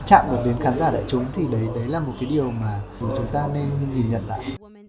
chạm được đến khán giả đại chúng thì đấy là một cái điều mà chúng ta nên nhìn nhận lại